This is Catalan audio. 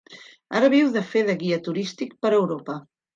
Ara viu de fer de guia turístic per Europa.